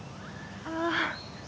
ああ